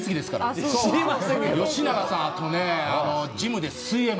吉永さんあとね。